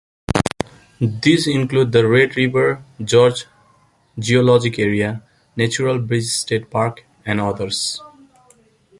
These include the Red River Gorge Geologic Area, Natural Bridge State Park, and others.